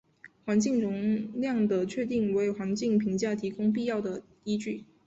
环境容量的确定为环境评价提供必要的依据。